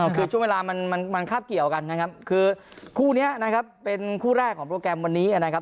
คือช่วงเวลามันคาบเกี่ยวกันนะครับคือคู่นี้นะครับเป็นคู่แรกของโปรแกรมวันนี้นะครับ